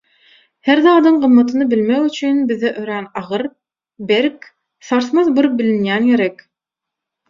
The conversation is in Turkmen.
Her zadyň gymmatyny bilmek üçin bize örän agyr, berk, sarsmaz bir bilinýän gerek.